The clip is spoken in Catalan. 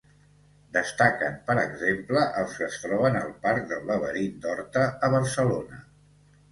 Destaquen, per exemple, els que es troben al Parc del Laberint d'Horta, a Barcelona.